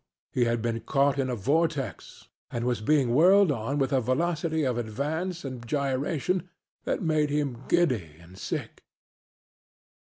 He had been caught in a vortex and was being whirled on with a velocity of advance and gyration that made him giddy and sick.